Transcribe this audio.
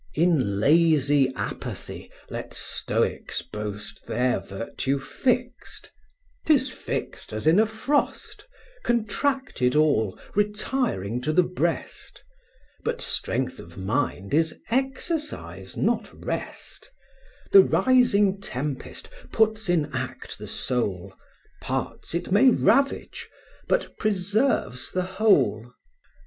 In lazy apathy let stoics boast Their virtue fixed; 'tis fixed as in a frost; Contracted all, retiring to the breast; But strength of mind is exercise, not rest: The rising tempest puts in act the soul, Parts it may ravage, but preserves the whole.